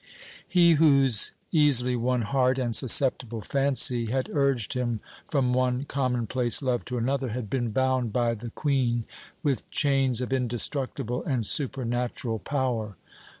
He whose easily won heart and susceptible fancy had urged him from one commonplace love to another had been bound by the Queen with chains of indestructible and supernatural power.